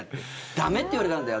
駄目って言われたんだよ